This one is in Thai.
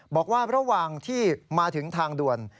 บอกว่าระหว่างที่มาถึงทางด่วน